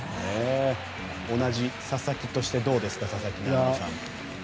同じ佐々木としてどうですか、佐々木成三さん。